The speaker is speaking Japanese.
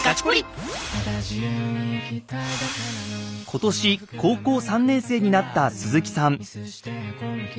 今年高校３年生になった鈴木さん。